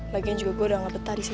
bagian juga gue udah gak betah di sini